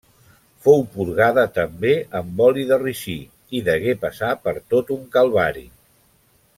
Fou purgada també amb oli de ricí i degué passar per tot un calvari.